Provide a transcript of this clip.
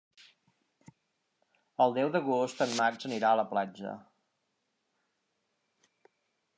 El deu d'agost en Max anirà a la platja.